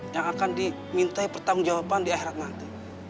yang akan dimintai pertanggung jawaban di akhirat nanti